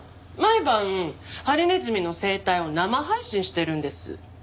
毎晩ハリネズミの生態を生配信してるんです。